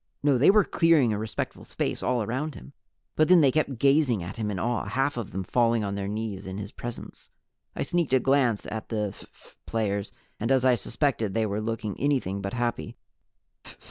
No, they were clearing a respectful space all around him, but then they kept gazing at him in awe, half of them falling on their knees in his presence. I sneaked a glance at the phph players, and as I suspected they were looking anything but happy.